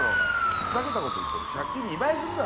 ふざけたこと言ってると借金２倍にすんぞ？